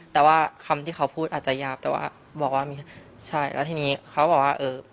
แต่ว่าคำที่เขาพูดอาจจะยาบแต่ว่าบอกว่ามีใช่แล้วทีนี้เขาบอกว่าเออ